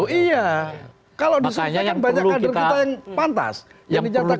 loh iya kalau disuruh kita kan banyak kader kita yang pantas yang dinyatakan pantas